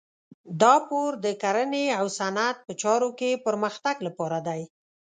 دا پور د کرنې او صنعت په چارو کې پرمختګ لپاره دی.